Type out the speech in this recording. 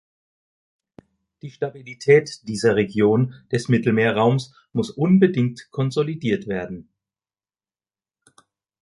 Die Stabilität dieser Region des Mittelmeerraums muss unbedingt konsolidiert werden.